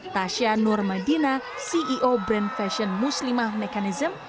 tasya nur medina ceo brand fashion muslimah mechanism